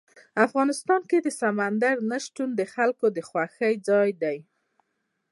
افغانستان کې سمندر نه شتون د خلکو د خوښې وړ ځای دی.